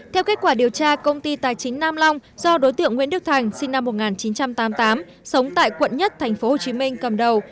theo kết quả điều tra công ty tài chính nam long do đối tượng nguyễn đức thành sinh năm một nghìn chín trăm tám mươi tám sống tại quận một tp hcm cầm đầu